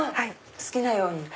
好きなように。